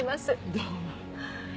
どうも。